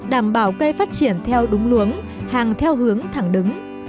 đảm bảo cây phát triển theo đúng luống hàng theo hướng thẳng đứng